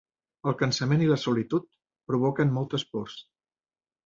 El cansament i la solitud provoquen moltes pors.